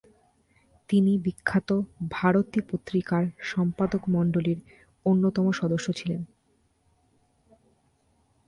তিনি বিখ্যাত "ভারতী" পত্রিকার সম্পাদকমণ্ডলীর অন্যতম সদস্য ছিলেন।